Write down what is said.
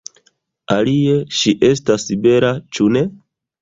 Alie, ŝi estas bela, ĉu ne?